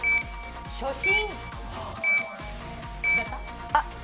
初心！